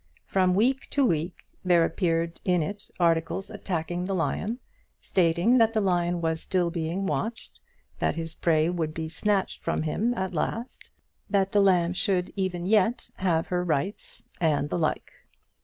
From week to week there appeared in it articles attacking the lion, stating that the lion was still being watched, that his prey would be snatched from him at last, that the lamb should even yet have her rights, and the like.